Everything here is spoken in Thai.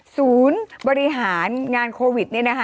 ศูนย์บริหารงานโควิด